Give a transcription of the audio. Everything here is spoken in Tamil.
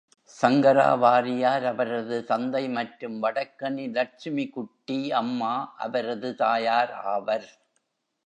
சங்கரா வாரியர் அவரது தந்தை மற்றும் வடக்கனி லட்சுமிகுட்டி அம்மா அவரது தாயார் ஆவர்.